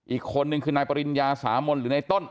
อีกคนนึงคือนายปริญญาสามนหรือในต้น